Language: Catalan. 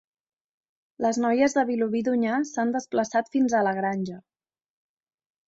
Les noies de Vilobí d'Onyar s'han desplaçat fins a la granja.